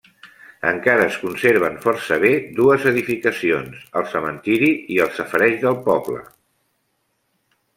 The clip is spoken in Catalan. Encara es conserven força bé dues edificacions: el cementiri i el safareig del poble.